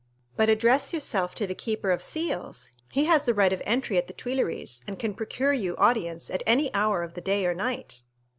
"But address yourself to the keeper of the seals; he has the right of entry at the Tuileries, and can procure you audience at any hour of the day or night."